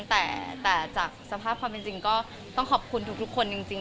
แต่จากสภาพความเป็นจริงก็ต้องขอบคุณทุกคนจริง